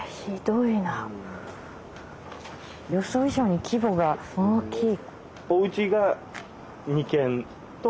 予想以上に規模が大きい。